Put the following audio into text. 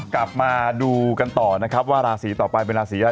กลับมาดูกันต่อนะครับว่าราศีต่อไปเป็นราศีอะไร